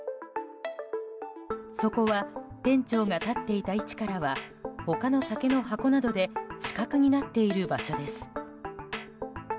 そこは店長が立っていた位置からは他の酒の箱などで死角になっている場所です。